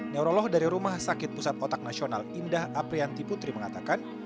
neurolog dari rumah sakit pusat otak nasional indah aprianti putri mengatakan